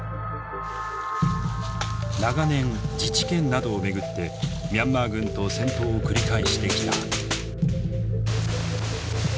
長年自治権などを巡ってミャンマー軍と戦闘を繰り返してきた。